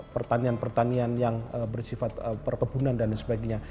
pertanian pertanian yang bersifat perkebunan dan sebagainya